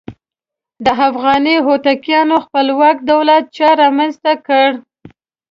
د افغاني هوتکیانو خپلواک دولت چا رامنځته کړ؟